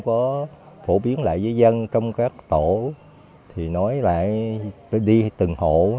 có phổ biến lại với dân trong các tổ thì nói lại đi từng hộ